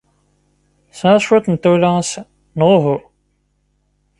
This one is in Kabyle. Tesɛiḍ cwiṭ n tawla ass-a, neɣ uhu?